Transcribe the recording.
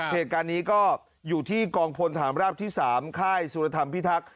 เหตุการณ์นี้ก็อยู่ที่กองพลฐานราบที่๓ค่ายสุรธรรมพิทักษ์